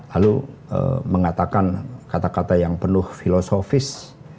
lalu mengatakan kata kata yang penuh filosofis